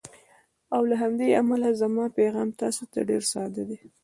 او له همدې امله زما پیغام تاسو ته ډېر ساده دی: